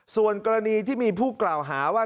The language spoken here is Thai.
ส่วนกรณีที่มีผู้กล่าวหาว่า